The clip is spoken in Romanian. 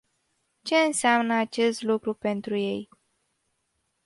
Ce înseamnă acest lucru pentru ei?